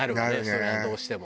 それはどうしても。